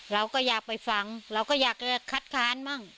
เราก็อยากไปฟังเราก็อยากจะคัดค้านมั่ง